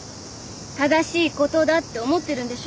正しいことだって思ってるんでしょ？